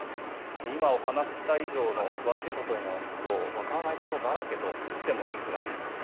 今お話しした以上の詳しいことになると分からないことだらけと言ってもいいくらいです。